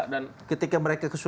ya ketika mereka kesulitan